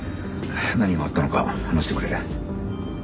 何があったのか話してくれ。